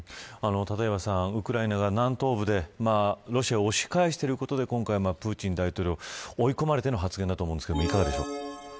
ウクライナが南東部でロシアを押し返していることで今回、プーチン大統領追い込まれての発言だと思いますが、いかがでしょう。